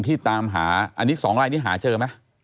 ที่ตามหาอันนี้๒ลายนี้หาเจอมั้ย